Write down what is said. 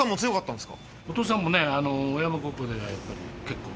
お父さんもね小山高校ではやっぱり結構。